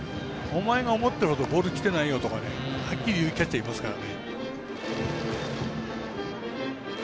お前が思ってるほどボールきてないよ！とかはっきり言うキャッチャーいますから。